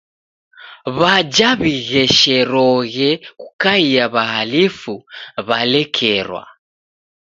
W'aja w'ighesherogje kukaia w'ahalifu w'alekerelwa.